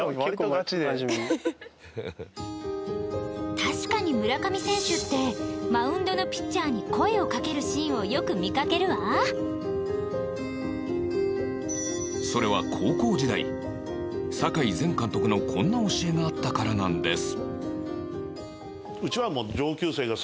確かに、村上選手ってマウンドのピッチャーに声をかけるシーンをよく見かけるわそれは、高校時代坂井前監督の、こんな教えがあったからなんです